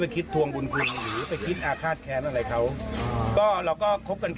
ไม่กลัวเหรอคะว่าถ้าเราให้ใจเขาไปแล้วเนี่ย